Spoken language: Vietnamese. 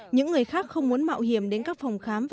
những người khác không muốn mạo hiểm đến các phòng khám